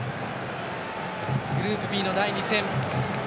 グループＢの第２戦。